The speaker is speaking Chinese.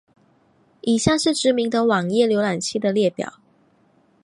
以下是知名的网页浏览器的列表。